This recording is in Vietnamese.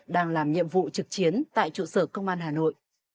đang làm nhiệm vụ trực chiến tại trụ sở công an hà nội